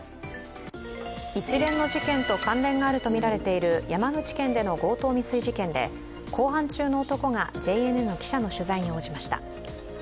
一連の事件と関連があるとみられている山口県での強盗未遂事件で公判中の男がＪＮＮの記者の取材に応じました。